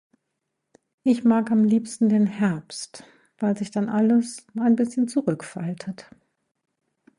Ich mag am liebsten den Herbst, weil sich dann alles ein bisschen zurückfaltet.